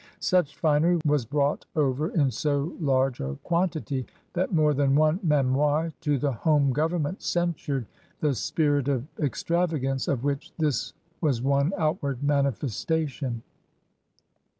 Such finery was brought over in so large a quan tity that more than one rrUmoire to the home government censured the "spirit of extravagance'* of which this was one outward manifestation.